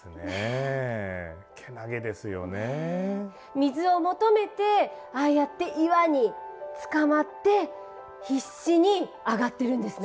水を求めてああやって岩につかまって必死に上がってるんですね。